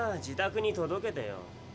自宅に届けてよ。